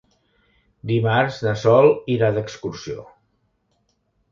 Dimarts na Sol irà d'excursió.